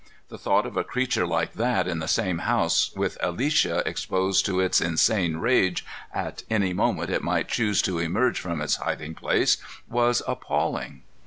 The thought of a creature like that in the same house, with Alicia exposed to its insane rage at any moment it might choose to emerge from its hiding place, was appalling.